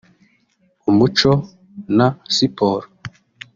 umuco na siporo